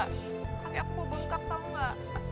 tapi aku bengkak tahu enggak